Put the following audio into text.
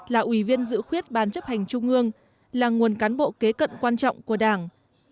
là ủy viên dự khuyết ban chấp hành trung ương là nguồn cán bộ kế cận quan trọng của đảng